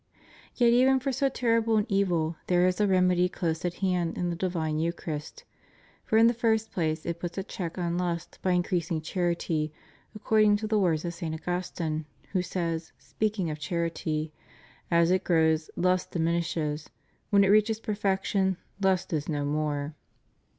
Yet even for so terrible an evil there is a remedy close at hand in the divine Eu charist. For in the first place it puts a check on lust by increasing charity, according to the words of St. Augus tine, who says, speaking of charity: "As it grows, lust diminishes; when it reaches perfection, lust is no more."